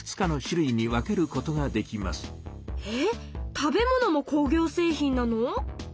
⁉食べ物も工業製品なの？！